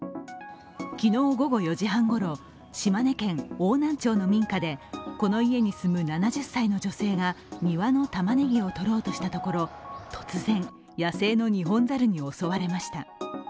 昨日午後４時半ごろ、島根県邑南町の民家でこの家に住む７０歳の女性が庭のたまねぎをとろうとしたところ、突然、野生のニホンザルに襲われました。